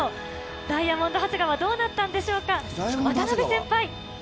ダイヤモンド長谷川、どうなったんでしょうか、渡辺先輩。